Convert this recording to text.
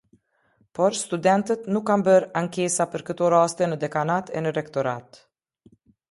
Por studentët nuk kanë bërë ankesa për këto raste në dekanate e në Rektorat.